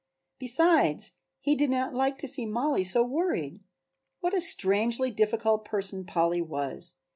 Besides he did not like to see Mollie so worried! What a strangely difficult person Polly was!